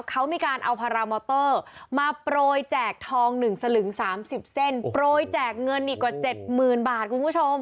เขามีการเอาพารามอเตอร์มาโปรยแจกทอง๑สลึง๓๐เส้นโปรยแจกเงินอีกกว่าเจ็ดหมื่นบาทคุณผู้ชม